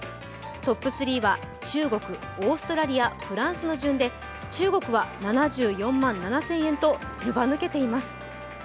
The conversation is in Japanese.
トップ３は中国、オーストラリア、フランスの順で中国は７４万７０００円とずば抜けています。